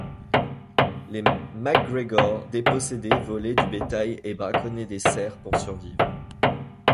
Les MacGregor dépossédés volaient du bétail et braconnaient des cerfs pour survivre.